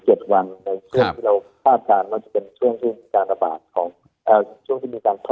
ในช่วงที่เราฝากการว่าจะเป็นช่วงที่มีการแพร่ชีวิตของคน